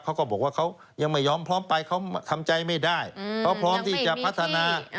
เขาก็บอกว่าเขายังไม่ยอมพร้อมไปเขาทำใจไม่ได้เขาพร้อมที่จะพัฒนา